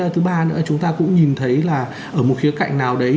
thứ ba nữa chúng ta cũng nhìn thấy là ở một khía cạnh nào đấy